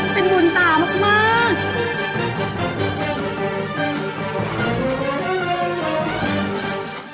เป็นบุญตามาก